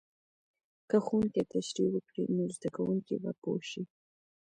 که ښوونکی تشریح وکړي، نو زده کوونکی به پوه شي.